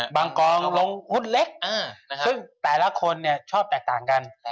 กองลงหุ้นเล็กซึ่งแต่ละคนชอบแตกต่างกัน